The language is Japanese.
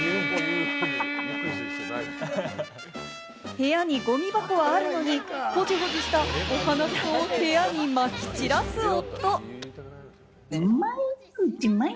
部屋にゴミ箱があるのに、ホジホジしたお鼻くそを部屋にまき散らす夫。